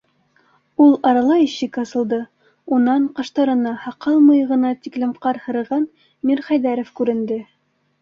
Ул арала ишек асылды, унан ҡаштарына, һаҡал-мыйығына тиклем ҡар һырыған Мирхәйҙәров күренде: